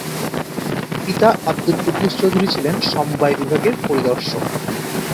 পিতা আবদুল কুদ্দুস চৌধুরী ছিলেন সমবায় বিভাগের পরিদর্শক।